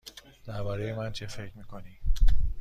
درباره من چه فکر می کنی؟